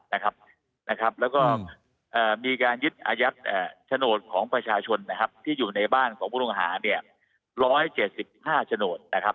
และมีการยึดอายัดชโนตของประชาชนที่อยู่ในบ้านของพุทธวงฮา๑๗๕ชโนต